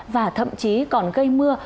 và thậm chí còn gây mưa